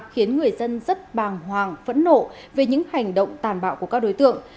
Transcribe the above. khiến người dân rất bàng hoàng phẫn nộ về những hành động tàn bạo của các đối tượng